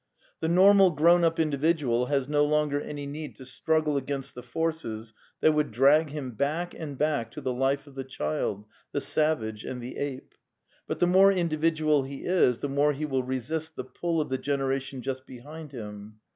The normal grown up individual has no longer any need to struggle against the forces that would drag him back and back to the life of the child, the savage and the ape ; but the more individual he is the more he will resist the pull of the generation just behind him.